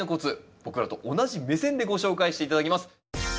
僕らと同じ目線でご紹介して頂きます。